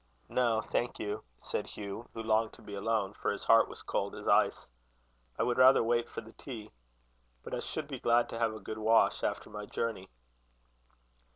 "No, thank you," said Hugh, who longed to be alone, for his heart was cold as ice; "I would rather wait for the tea; but I should be glad to have a good wash, after my journey."